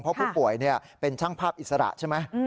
เพราะผู้ป่วยเป็นช่างภาพอิสระใช่ไหม